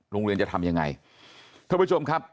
โรงเรียนจะทำยังไงท่านผู้ชมครับ